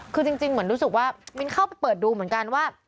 คือจริงเหมือนรู้สึกว่ามิ้นเข้าไปเปิดดูเหมือนกันว่า